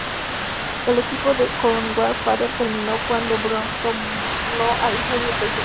El equipo con Godfather terminó cuando Brown tornó a heel y le traicionó.